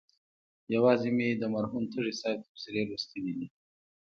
یوازې مې د مرحوم تږي صاحب تبصرې لوستلي دي.